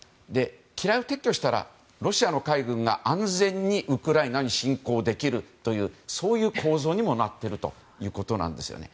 機雷を撤去したらロシアの海軍が安全にウクライナに侵攻できるというそういう構造にもなっているということなんですよね。